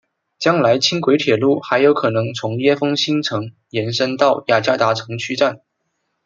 将来轻轨铁路还有可能从椰风新城延伸到雅加达城区站。